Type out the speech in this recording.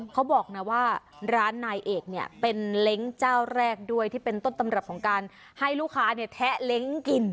เขาบอกนะว่าร้านนายเอกเนี่ยเป็นเล้งเจ้าแรกด้วยที่เป็นต้นตำรับของการให้ลูกค้าเนี่ยแทะเล้งกิน